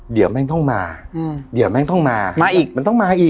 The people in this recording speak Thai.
เดี๋ยวแม่งต้องมาเดี๋ยวแม่งต้องมามาอีกมันต้องมาอีก